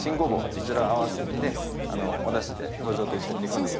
そちらを合わせておだしでどじょうと一緒に煮込んでございます。